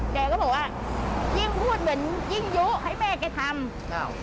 แกก็บอกว่ายิ่งพูดเหมือนยิ่งยุให้แม่แกทำ